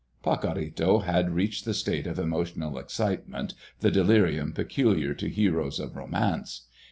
Pacorrito had reached the state of emotional excitement, the delirium peculiar to heroes of romance.